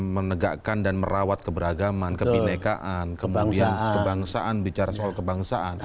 menegakkan dan merawat keberagaman kepinekaan kebangsaan bicara soal kebangsaan